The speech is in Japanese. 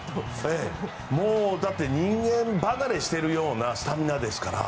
もう人間離れしてるようなスタミナですから。